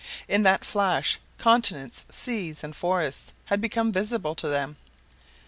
In that flash, continents, seas, and forests had become visible to them.